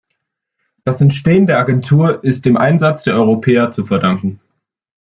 Das Entstehen der Agentur ist dem Einsatz der Europäer zu verdanken.